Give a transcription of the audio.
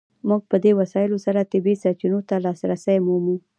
موږ په دې وسایلو سره طبیعي سرچینو ته لاسرسی مومو.